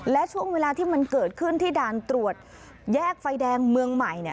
และช่วงเวลาที่มันเกิดขึ้นที่ด่านตรวจแยกไฟแดงเมืองใหม่เนี่ย